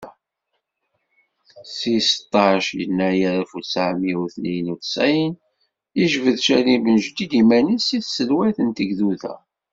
Deg seṭṭac Yennayer alef u ttɛemya u tniyen u ttɛin, yejbed Cadli Ben Jdid iman-is deg tselwayt n tegduda.